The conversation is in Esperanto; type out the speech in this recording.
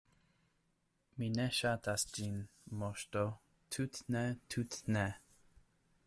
“Mi ne ŝatas ĝin, Moŝto, tut’ ne, tut’ ne!”